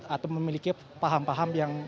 atau memiliki paham paham yang